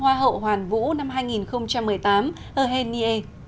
để lắng nghe chia sẻ của top năm hoa hậu hoàn vũ năm hai nghìn một mươi tám hồ hèn nghệ